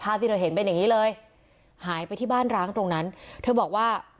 ที่เธอเห็นเป็นอย่างงี้เลยหายไปที่บ้านร้างตรงนั้นเธอบอกว่า